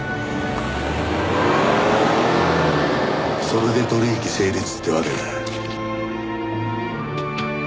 それで取引成立ってわけだ。